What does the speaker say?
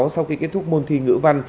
sau khi kết thúc môn thi ngữ văn